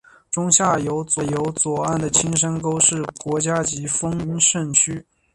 中下游左岸的青山沟是国家级风景名胜区。